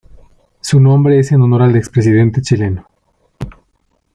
Su nombre es en honor al expresidente chileno.